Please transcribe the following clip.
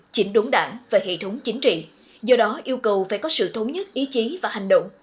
chỉnh đốn đảng và hệ thống chính trị do đó yêu cầu phải có sự thống nhất ý chí và hành động